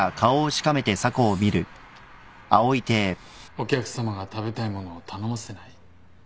お客さまが食べたい物を頼ませない？